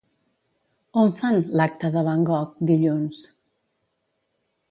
On fan l'"acte de van Gogh" dilluns?